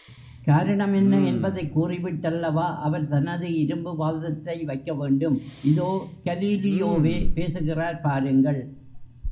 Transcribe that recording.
காரணம் என்ன? என்பதைக் கூறிவிட்டல்லவா அவர் தனது இரும்பு வாதத்தை வைக்க வேண்டும் இதோ கலீலியோவே பேசுகிறார் பாருங்கள்.